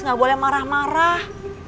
gak boleh marah marah